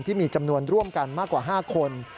ที่มีจำนวนร่วมกันมากกว่า๕คน